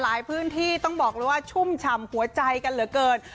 พื้นที่ต้องบอกเลยว่าชุ่มฉ่ำหัวใจกันเหลือเกิน